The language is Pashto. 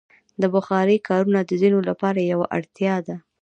د بخارۍ کارونه د ځینو لپاره یوه اړتیا ده.